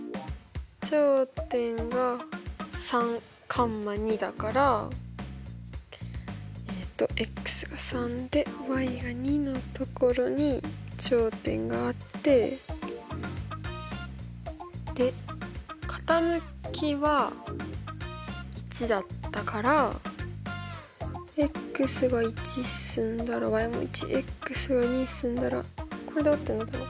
頂点がだからえっとが３でが２のところに頂点があってで傾きは１だったからが１進んだらも１。が２進んだらこれで合ってんのかな？